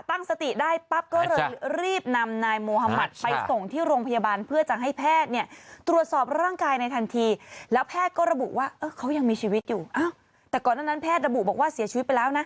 ตั้งสติได้ปั๊บก็เลยรีบนำนายมหมาตร์ไปส่งที่โรงพยาบาล